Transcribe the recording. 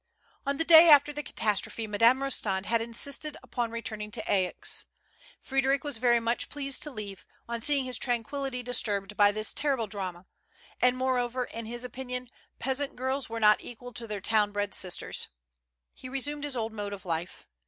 On the day after the catastrophe, Madame Eostand had insisted upon returning to Aix. Frederic was very much pleased to leave, on seeing his tranquillity dis turbed by this terrible drama; and, moreover, in his opinion, peasant girls were not equal to their town bred sisters. He resumed his old mode of life.